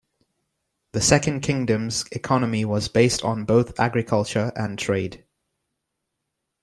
The second kingdom's economy was based on both agriculture and trade.